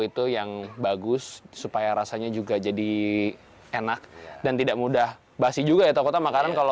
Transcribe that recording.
itu yang bagus supaya rasanya juga jadi enak dan tidak mudah basi juga ya takutnya makanan kalau